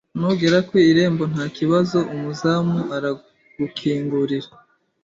Nugera ku irembo, nta kibazo umuzamu aragukingurira.